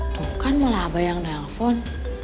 tuh kan malah ada yang nelfon